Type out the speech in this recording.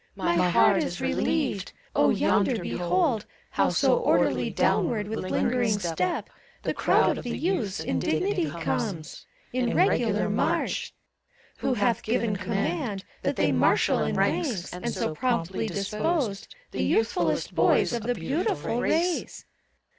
My heart is relieved I 0, yonder behold How so orderly downward with lingering step The crowd of the youths in dignity comes. In regular march! Who hath given command That they marshal in ranks, and so promptly disposed, The youthfullest boys of the beautiful race?